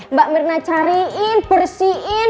mbak mirna cariin bersihin